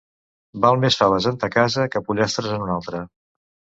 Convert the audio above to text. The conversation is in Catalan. Val més faves en ta casa, que pollastres en una altra.